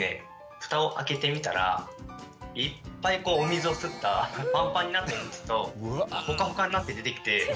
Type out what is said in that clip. ふたを開けてみたらいっぱいお水を吸ったパンパンになったオムツとホカホカになって出てきて。